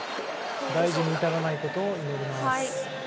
大事に至らないことを祈ります。